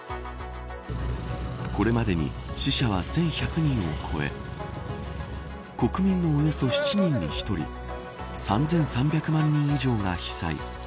これまでに死者は１１００人を超え国民のおよそ７人に１人３３００万人以上が被災。